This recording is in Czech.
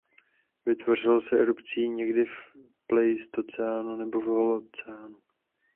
Vytvořil se erupcí někdy v pleistocénu nebo v holocénu.